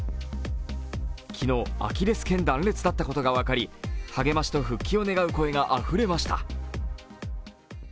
昨日、アキレスけん断裂だったことが分かり励ましと復帰を願う声があふれました。